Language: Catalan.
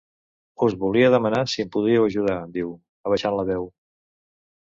Us volia demanar si em podríeu ajudar —diu, abaixant la veu.